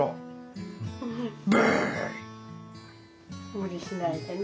無理しないでね。